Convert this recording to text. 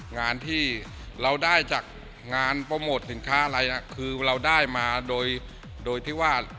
งานที่เราได้จากงานโปรโมทสินค้าอะไรนะคือเราได้มาโดยที่ว่า